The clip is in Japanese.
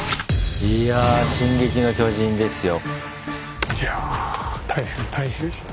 いや「進撃の巨人」ですよ。